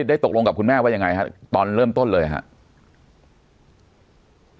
ได้ตกลงกับคุณแม่ว่ายังไงครับตอนเริ่มต้นเลยครับ